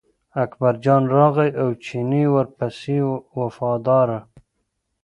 اکبرجان راغی او چینی ورپسې و وفاداره.